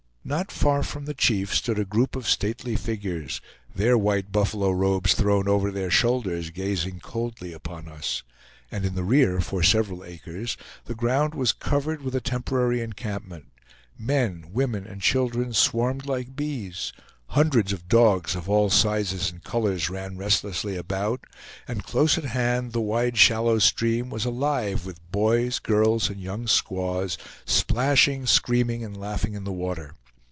Not far from the chief stood a group of stately figures, their white buffalo robes thrown over their shoulders, gazing coldly upon us; and in the rear, for several acres, the ground was covered with a temporary encampment; men, women, and children swarmed like bees; hundreds of dogs, of all sizes and colors, ran restlessly about; and, close at hand, the wide shallow stream was alive with boys, girls, and young squaws, splashing, screaming, and laughing in the water.